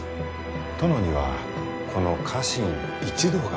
殿にはこの家臣一同がおります。